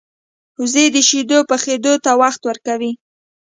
وزې د شیدو پخېدو ته وخت ورکوي